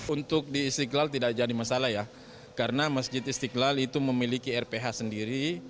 untuk di istiqlal tidak jadi masalah ya karena masjid istiqlal itu memiliki rph sendiri